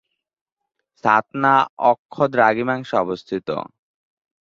ছাতনা অক্ষ-দ্রাঘিমাংশে অবস্থিত।